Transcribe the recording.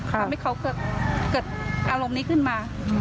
ทำให้เขาเกิดอารมณ์นี้ขึ้นมา